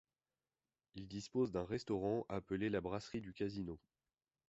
Il dispose d'un restaurant appelé La Brasserie du Casino.